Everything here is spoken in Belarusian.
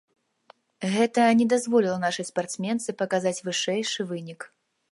Гэта не дазволіла нашай спартсменцы паказаць вышэйшы вынік.